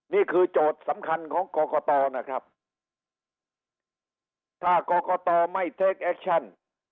โจทย์สำคัญของกรกตนะครับถ้ากรกตไม่เทคแอคชั่น